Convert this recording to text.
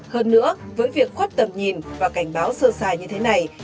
hơn nữa với việc khuất tầm nhìn và cảnh báo sơ xài như thế này